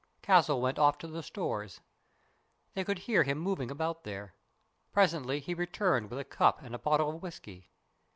Castle went off to the stores. They could hear him moving about there. Presently he returned with a cup and a bottle of whisky.